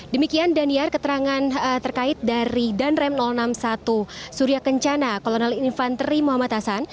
demikian daniar keterangan terkait dari danrem enam puluh satu surya kencana kolonel infanteri muhammad hasan